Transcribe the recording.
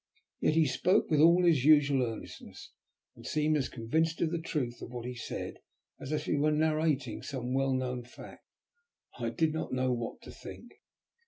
Yet he spoke with all his usual earnestness, and seemed as convinced of the truth of what he said as if he were narrating some well known fact. I did not know what to think.